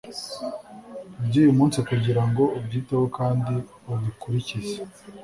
iby’uyu munsi kugira ngo ubyiteho kandi ubikurikize;